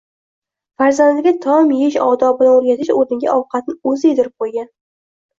Farzandiga taom yeyish odobini o'rgatish o'rniga ovqatni o'zi yedirib qo'ygan